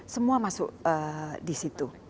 semua masuk di situ